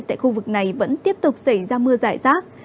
tại khu vực này vẫn tiếp tục xảy ra mưa giải rác